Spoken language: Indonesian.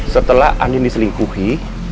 setelah andin diselingkuhi